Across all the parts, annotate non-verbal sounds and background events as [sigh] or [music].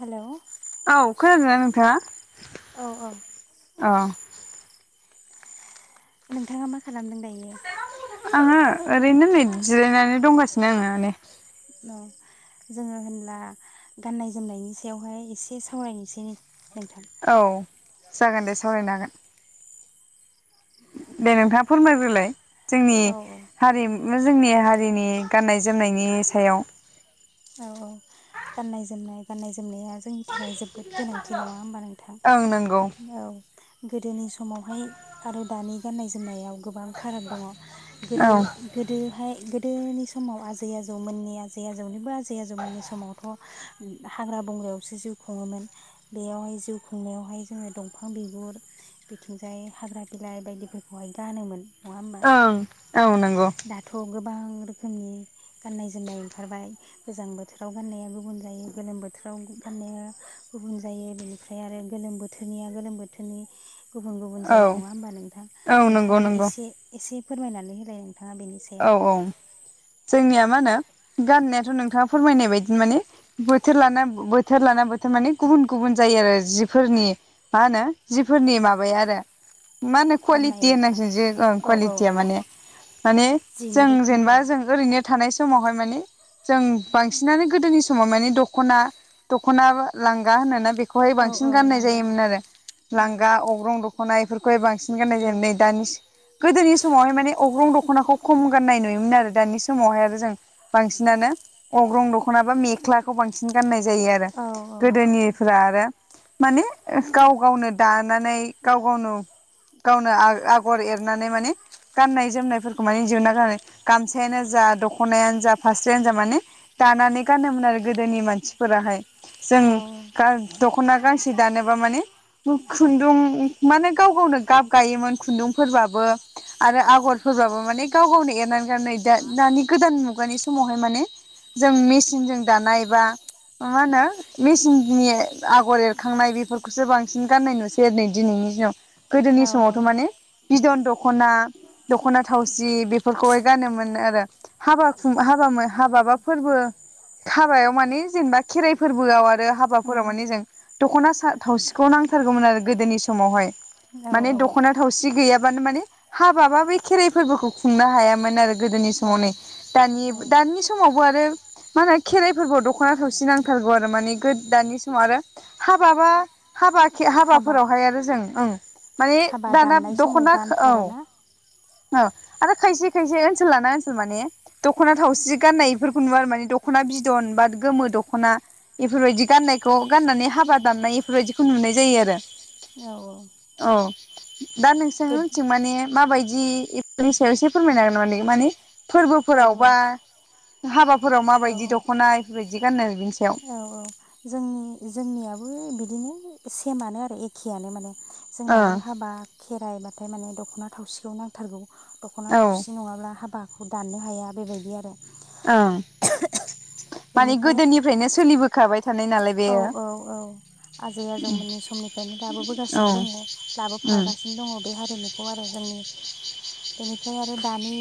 Hello. औ खोनादोंना नोंथाङा? औ औ। ओं। नोंथाङा मा खालामदों दायो? आङो ओरैनो नै जिरायनानै दंगासिनो आङो माने। अ जोङो होनब्ला गाननाय जोमनायनि सायावहाय एसे सावरायनोसै नोंथां? औ जागोन दे सावरायनो हागोन, दे नोंथाङा फोरमायग्रोलाय जोंनि औ हारिमु जोंनि हारिनि गाननाय जोमनायनि सायाव? औ औ गाननाय जोमनाय गाननाय जोम जोमनाया जोंनि थाखाय जोबोद गोनांथि नङा होमबा नोंथां? ओं नंगौ औ गोदोनि समावहाय आरो दानि गाननाय जोमनायाव गोबां फाराग दङ' गोदो औ गोदोहाय गो दोनि समाव आजै आजौमोननि आजै आजौनिबो आजै जै आजौ मोननि समाव हाग्रा बंग्रायावसो जिउ खुङोमोन। बेयावहाय जिउ खुंनायावहाय जोङो दंफां बिगुर बिथिंजाय हाग्रा बिलाइ बायदिफोरखौहाय गानोमोन नङा होमबा ओं औ नोंगौ बां रोखोमनि गाननाय जोमनाय ओंखारबाय गोजां बोथोराव गाननाया गुबुन जायो, गोलोम बोथोराव गाननाया गुबुन जायो बेनिफ्राय आरो गोलोम बोथोरनिया गोलोम बोथोरनि गुबुन गुबुन औ जायो नङा होमबा नोंथां औ नंगौ नोंथाङानो नंगौ एसे एसे फोरमायनानै होलाय नोंथाङा बेनि औ सायाव? औ जोंनिया मा होनो गाननायाथ' नोंथाङा फोरमायनाय बायदि माने बोथोर लाना बोथोर लाना बोथोर माने गुबुन गुबुन जायो आरो जिफोरनि मा होनो जिफोरनि माबाया आरो मा होनो कुवालिटि गाननायफ्रा होननांसिगोन जों जे ओ औ औ कुवालिटिया औ माने माने जिनि जों जेनेबा रोखोमफोरा जों ओरैनो थानाय समावहा माने जों बांसिनानो गोदोनि समाव माने दखना दखना लांगा होनोना बे खौहाय औ बांसिन औ गाननाय लांगा जायोमोन आरो औ लांगा अग्रं द ख्ना इफोरखौहाय बांसि औ न नै दानि गोदोनि समावहाय माने अग्रं दख'नाखौ गाननाय नुयोमोन आरो दानि समावहाय आरो जों बांसिनानो अग्रं दख'ना बा मेख्लाखौ बांसिन गाननाय जायो आरो औ गोदोनिफ्रा आरो माने गाव गावनो दानानै गाव गावनो गावनो आ-आगर एरनानै माने गाननाय जोमनायफोर माने दिहुनना गानो गामसायानो जा दख'नायानो जा फास्रायानो जा माने दानानै गानोमोन आरो गोदोनि मानसिफोराहाय। जों औ गा दख्ना गांसे दानोबा माने खुन्दुं माने गाव गावनो गाब गायोमोन खुन्दुंफोरबाबो आरो आगरफोरबाबो माने गाव गावनो एरनानै गननाय दा दानि गोदान मुगानि समावहाय माने जों मेचिनजों दानाय बा मा होनो मेचिननि आगर एरखांनाय बेफोरखौसो बांसिन गाननाय नुसै आरो नै दिनैनि दिनाव। गोदोनि समवथ' माने बिद'न दखना दख्ना थावसि बेफोरखौहाय गानोमोन आरो हाबा खुं हाबा मो हाबा बा फोरबो हाबायाव माने जेनेबा खेराइ फोरबोआव आ रो हाबाफोराव माने जों दख'ना सा थावसिखौ नांथारगौमोन आरो गोदोनि समावहाय। औ माने औ दख'ना थावसि गैयाबानो माने हाबा बा बे खेराइ फोरबोखौ खुंनो हायामोन आरो गोदोनि समाव नै। औ दानिब दानि समाव [unintelligible] मा होनो खेराइ फोरबोआव दख'ना थावसि नांथारगौ आरो माने गोद दानि समाव आरो हाबाबा हाबा खे हाबा हाबाफोरावहाय आरो जों ओं। माने हाबा दाना दाननाय समाव दख'ना औ। गानथारोना ओ आरो खायसे खायसे ओनसोल लाना ओनसोल माने दख'ना थावसि गाननाय इफोरखौ नुवा आरो माने दख'ना बिदन बा गोमो दख'ना बइफोरबायदि गाननायखौ गाननानै हाबा दाननाय बइफोरबायदिखौ नुनाय जायो आरो औ औ। दा नोंसोर गोद उनथिं माने माबायद दि इफोरनि सायाव एसे फोरमायनो हागोन नामा [unintelligible] माने औ फोरबोफोराव औ बा हाबाफोराव औ माबायदि दख'ना इफोरबायदि गाननो बिनि सायाव। औ औ जोंनि जोंनियाबो बिदिनो सेमानो आरो एखेआनो माने। जोंनाबो ओ हाबा खेराइबाथाय माने दख'ना थावसिखौ नांथारगौ। दख'ना औ थावसि नङाब्ला हाबाखौ दाननो हाया बेबायदि आरो। ओं माने बेनिफ्राय गोदोनिफ्रायनो सोलिबोखाबाय थानाय नालाय औ बेयो औ औ आजै आजौमोननि समनिफ्रायनो दाबो औ बोगासिनो दङ उम लाबोफागासिनो दङ बे हारिमुखौ आरो जोंनि बेनिफ्राय आरो दानि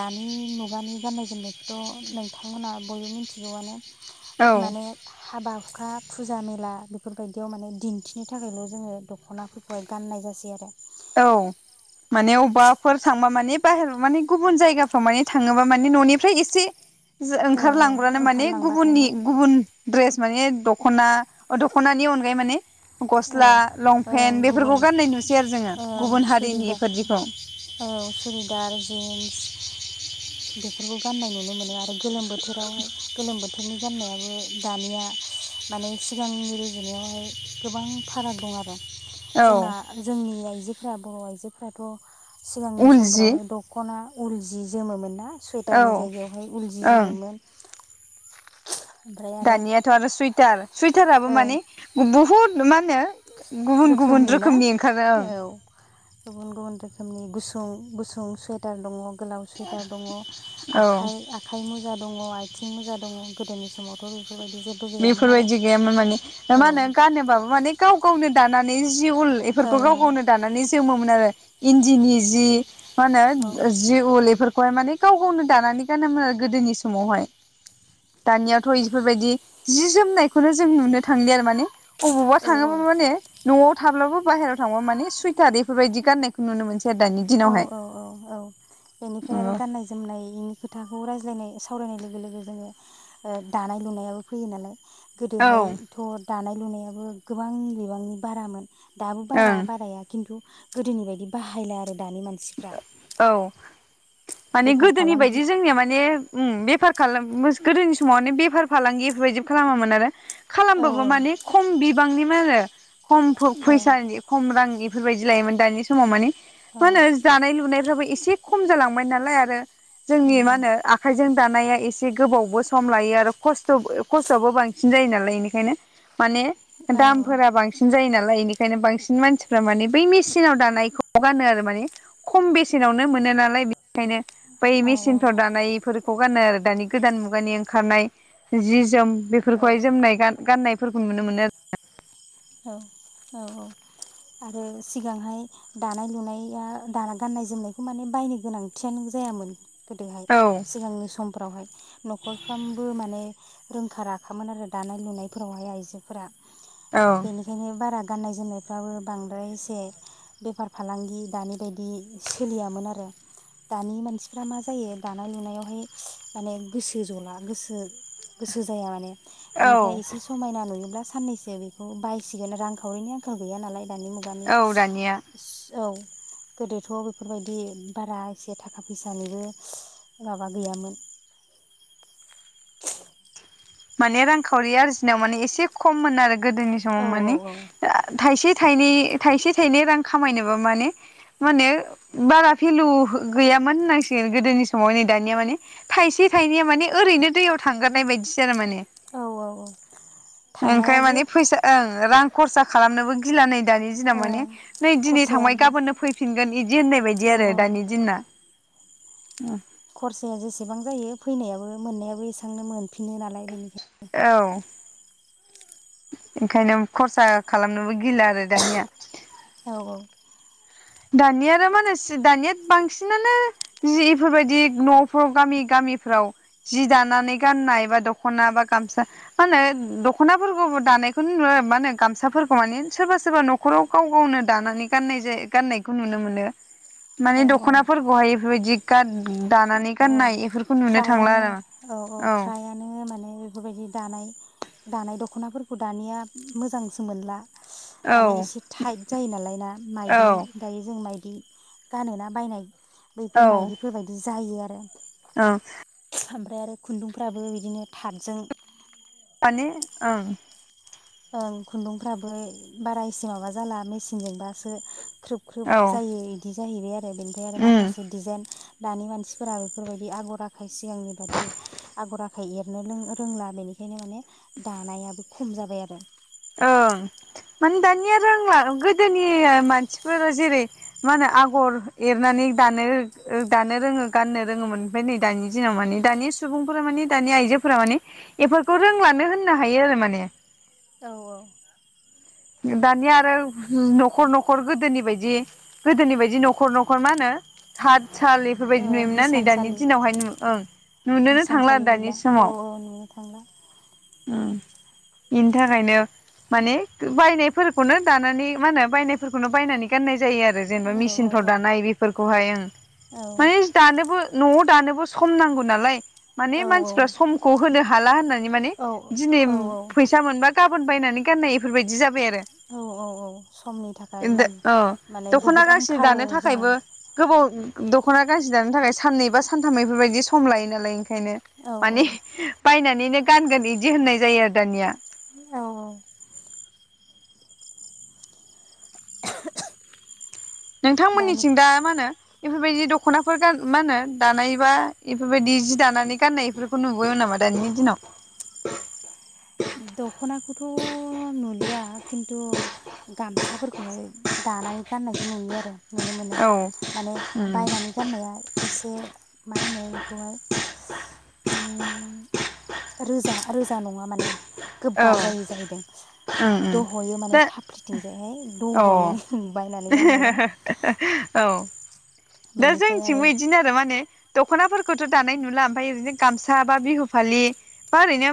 दानि मुगानि गाननाय जोमनायखौथ' नोंथांमोना बयबो मिथिगौआनो। माने औ हाबा ना फुजा मेला बेफोरबायदियाव माने दिन्थिनो थाखायल' जोङो दख'नाफोरखौहाय गाननाय जासै आरो। औ माने अबबाफोर थांबा माने बाहेरयाव माने गुबुन जायगाफ्राव माने थाङोबा माने न'निफ्राय एसे जो ओ ओंखारलांब्रानो माने गुबुननि ओंखारलांबाथायनो गुबुन द्रेस माने दख'ना ओ दख'नानि अनगायै माने औ गस्ला लंपेन्ट बेफोरखौ गान्नाय नुसै आरो जोङो। ओं गुबुन सुरिदा हारिनिफोरदिखौ औ सुरिदार जिन्स बेफोरखौ गाननाय नुनो मोनो आरो गोलोम बोथोरावहाय गोलोम बोथोरनि गान्नायाबो दानिया माने सिगांनि रुजुनायावहाय गोबां फाराग दं आरो। औ जोंना जोंनि आइजोफोरा बर' आइजो जोफ्राथ' सिगांनि उल जि समफोरावहाय दख'ना उल जि जोमोमोनना औ सुवइटारनि जायगायावहाय उल जि ओं जोमोमोन। दानियाथ' आरो सुइटार सुइट टाराबो ओ माने बुहुद मा होनो गुबुन गुबुन रोखोमनि ओंखारो ओं। औ गुबुन गुबुन रोखोमनि गुसुं गुसुं सुवेटार दङ। गोलाव सुवेटार दङ ओं औ आखाइ आखाइ मुजा दङ। थिं मोजां दङ गोदोनि समावथ' बेफो बेफोरबायदि गैयामोन माने दा औ मा होनो गानोबाबो माने गाव गावनो दाना नै जि उल ओं बेफोरखौ गाव गावनो दानानै जि जोमोमोन आरो इन्दिनि जि मा होनो ओ जि उल इफोर हाय माने गाव गावनो दानानै गानोमोन आरो गोदोनि समावहाय दानियाथ' इफोरबायदि जि जोमनायखौनो जों नुनो थांलि आरो माने अबावबा ओं औ थांङोब्ला माने न'आव थाब्लाबो बाहेराव थांबा माने सुइेटार बेफोरबायदि गाननायखौ नुनो मोन औ औ औ औ बेनिफ्राय आरो औ गाननाय जोमनायनि खोथाखौ रायज्लायनाय सावरायनाय लोगो लोगो जोंङो ओ दानाय लुनायाबो फैयो नालाय ओं गोदोहायथ' दानाय लुनायाबो गोबां बिबांनि बारामोन दाबो बारा बाराया खिन्थु गोदोनि बायदि बाहायला आरो दानि मानसिफ्रा औ माने बेफार गोदोनि फालांगि बायदि जोंनिया माने उम बेफार खालामो गोदोनि समाव माने बेफार फालांगि बेफोरबायदि खालामामोन आरो औ खालामबाबो माने खम बिबांनि आरो खम फो औ फैसानि खम रांनि बेफोरबायदि लायोमोन दानि समाव माने अ जानाय लुनायफ्राबो एसे खम जालांबाय नालाय आरो जोंनि मा होनो आखाइजों दानाया एसे गोबावबो सम लायो आरो खस्थ'बो खस्थ'आबो बांसिन जायो नालाय बेनिखायनो माने दामफोरा बांसिन जायो ना नालाय एनिखायनो बांसिन मानसिफ्रा माने बै मेसिनाव दानायखौ गानो आरो माने खम बेसेनावनो मोनो नालाय बे खायनो बै मेसिनफ्राव औ दानायफोर खौ गानो आरो दानि गोदान मुगानि ओंखारनाय जि जोम बेफोरखौहाय जोमनाय गा-गाननायफोरखौ नुनो मोनो आरोना। औ औ औ आरो सिगांहाय दानाय लुनाया दाना गाननाय जोमनायखौ माने बायनो गोनांथियानो जायामोन। गोदोहाय आरो सिगांनि समफ्रावहाय न'खरफ्रामबो माने रोंखा राखामोन आरो दानाय लुनायफोरावहाय आइजोफोरा। औ बेनिखायनो बारा गाननाय जोमनायफ्राबो बांद्राय एसे बेफार फालांगि दानि बायदि सोलियामोन आरो दानि मानसिफ्रा मा जायो दानाय लुनायावहाय माने गोसो जला गोसो गोसो जाया माने। बेनिफ्राय एसे समायना नुयोब्ला साननैसो खौ बायसिगोन रांखावरिनि आंखाल गैया नालाय। दानि मुगानि औ दानिया औ गोदोथ' बेफोरबायदि बारा एसे थाखा फैसानिबो माबा गैयामोन। माने रांखावरि आरजिनायाव माने एसे खममोन आरो। गोदोनि समाव औ औ माने औ थाइसे थायनै थायसे थायनै रां खामायनोबा माने माने बारा भेलु गैयामोन होननांसिगोन गोदोनि समाव नै दानिया माने थायसे थाइनैया माने ओरैनो दैयाव थांगारनाय बायदि। सो माने। औ औ औ ओंखाय थांनायाबो माने फैसा ओं रां खरसा खालामनोबो गिला नै दानि दिनाव ओ माने नै दिनै थांबाय खरसायाबो गाबोननो फैफिनगोन इदि होननाय बायदि औ आरो औ दानि दिना। उम। खरसाया जेसेबां जायो फैनायाबो मोननायाबो एसेबांनो मोनफिनो नालाय बेनिखाय औ। ओंखायनो खरसा खालामनोबो गिला आरो दानिया। औ औ। दानिया आरो मा होनो दानिया बांसिनानो जि इफोरबायदि न'फ्राव गामि गामिफ्राव जि दानानै गाननाय बा दख'ना बा गामसा मा होनो दख'नाफोरखौबो दानायखौनो नुवा मा होनो गामसाफोरखौ माने सोरबा सोरबा न'खराव गाव गावनो दानानै गाननाय जायो। गाननायखौ नुनो मोनो। माने औ औ दख'नाफोरखौहाय इफोरबादि गान दानानै औ औ गाननाय बेफोरखौ नुनो थांला फ्रायानो आरो औ औ फ्रायानो माने बेफोरबायदि। दानाय दानाय दख'नाफोरखौ दानिया मोजांसो मोनला। माने एसे थाइट जायो नालाय ना माइदि औ दायो जों माइदि। गानोना बायनाय औ बैफोर मायदिफोरबायायदि जायो आरो। ए। औ। ओमफ्राय आरो खुन्दुंफ्राबो बिदिनो थाथजों माने ओं। ओं खुन्दुंफ्राबो बारा एसे माबा जाला मेचिनजोंबासो। ख्रोब ख्रोब औ जायो इदि। जाहैबाय। ओ बेनिफ्राय आरो उम माखासे डिजाइन। दानि मानसिफोरा बेफोरबायदि आगर आखाइ सिगांनि बादि आगर आखाइ एरनो लों रोंला बेनिखायनो माने दानायाबो खम जाबाय आरो। लांदां ओं माने दानिया रोंला गोदोनि मानसिफोरा जेरै मा होनो आगर एरनानै दानो दानो रोङो गाननो रोङोमोन ओमफ्राय नै दानि दिनाव माने दानि सुबुंफोरा माने दानि आइजोफोरा माने बेफोरखौ रोंलानो होननो हायो आरो माने। औ दानिया आरो नखर नखर गोदोनि बायदि गोदोनि बायदि नखर नखर मा होनो खाठसालि। औ बेफोरबायदि ओं नुयोमोन ना नै दानि हिसानसालि दिनावहाय ओं नुुनोनो थांला आरो हिसानसालि दानि गैला औ समाव। औ नुनो थांला बेनि थाखायनो माने। बायनायफोरखौनो दानानै मा होनो बायनायफोरखौनो बायनानै गाननाय। जायो आरो जेनेबा औ औ मेसिनफ्राव औ दानाय बेफोरखौ। खौहाय आं। माने दानोबो। नआव दानोबो सम नांगौ नालाय माने औ मानसिफ्रा समखौ होनो हाला होननानै। माने दिनै। औ फैसा मोनबा गाबोन बायनानै गाननाय। बेफोरबायदि जाबाय आरो। औ औ समनि थाखाय औ माने दख'ना बुहुत गांसे आंखाल दानो थाखायबो जानानै। गोबाव दख'ना गांसे दानो थाखाय साननै बा सानथामैफोरबायदि सम लायो नालाय। बेखायनो औ माने। औ बायनानैनो गानगोन बिदि होननाय जायो आरो दानिया। औ औ दानि नोंथांमोननिथिं दा मा होनो। बेफोरबायदि दखनाफोर मा होनो दानाय बा इफोरबायदि जि दानानै गाननाय बेफोरखौ नुबोयो नामा दानि दिनाव। दखनाखौथ नुलिया खिन्थु गामसाफोरखौहाय दानानै गाननायखौ नुयो आरो। नुनो मोनो औ माने उम बायनानै गाननाया एसे मा होनो बेखौहाय। रोजा रोजा नङा माने। गोबा औ जायै जाहैदों उम उम दह यो माने दा थाफ्लिथिं। औ औ गाननाया [unintelligible] दा बेनिफ्राय आरो जोंनिथिंबो बिदिनो आरो माने। दखनाफोरखौथ दानाय नुला ओमफ्राय ओरैनो गामसा बा बिहु फालि बा ओरैनो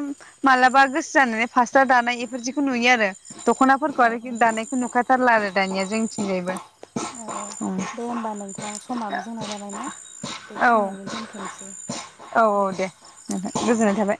मालाबा गोसो जानानै फास्रा दानाय बेफोरदिखौ नुयो आरो दखनाफोरखौ औ आरोखि औ दानायखौ नुखाथारला आरो दानिया जोंनिथिंजायबो। औ दे होमब्लाा नोंथां। नोंथां समाबो जोंना जाबायना औ बेखिनियावनो दोनथनोसै औ दे। नोंथां गोजोननाय थाबाय